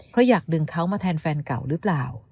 เพราะอยากดึงเขามาแทนแฟนเก่าหรือเปล่า